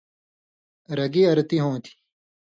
رگی ارتی ہوں تھی